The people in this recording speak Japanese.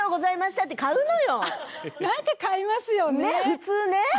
普通ね。